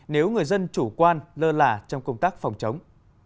nếu người dân chủ quan lơ là trong công tác phòng chống